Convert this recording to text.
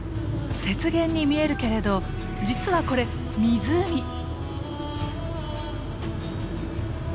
雪原に見えるけれど実はこれ湖。